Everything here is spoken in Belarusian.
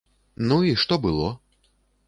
Ну, і што было?